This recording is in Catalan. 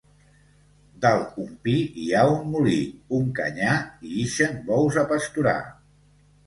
Dalt un pi hi ha un molí, un canyar i ixen bous a pasturar.